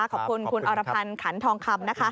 ขอบคุณคุณอรพันธ์ขันทองคำนะคะ